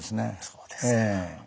そうですか。